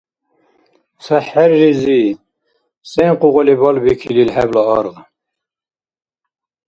Ца хӀерризи, сен къугъали балбикилил хӀебла аргъ.